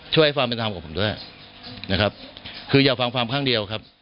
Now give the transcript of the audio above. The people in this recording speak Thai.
ให้ความเป็นธรรมกับผมด้วยนะครับคืออย่าฟังความข้างเดียวครับ